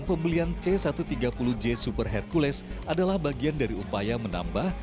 pembelian c satu ratus tiga puluh j super hercules adalah bagian dari upaya menambah